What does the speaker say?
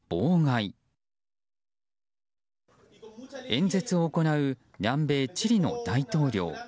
演説を行う南米チリの大統領。